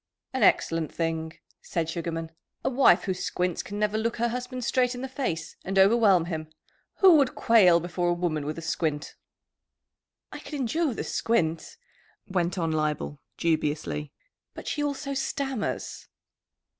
"An excellent thing!" said Sugarman. "A wife who squints can never look her husband straight in the face and overwhelm him. Who would quail before a woman with a squint?" "I could endure the squint," went on Leibel dubiously, "but she also stammers."